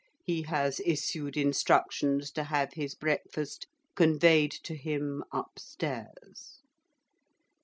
He has issued instructions to have his breakfast conveyed to him upstairs.